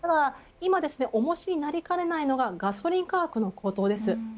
重しになりかねないのがガソリン価格の高騰です。